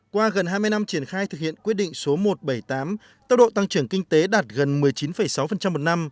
qua gần hai mươi năm triển khai thực hiện quyết định số một trăm bảy mươi tám tốc độ tăng trưởng kinh tế đạt gần một mươi chín sáu một năm